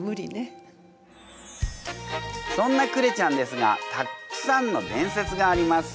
そんなクレちゃんですがたっくさんの伝説があります。